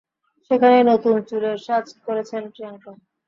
সেখানেই নতুন চুলের সাজ করেছেন প্রিয়াঙ্কা।